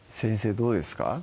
どうですか？